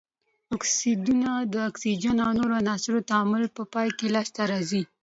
اکسایدونه د اکسیجن او نورو عناصرو تعامل په پایله کې لاس ته راځي.